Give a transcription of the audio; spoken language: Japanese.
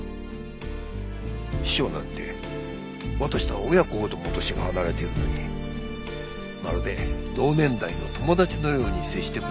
師匠なんて私とは親子ほども年が離れているのにまるで同年代の友達のように接してくれるんだ。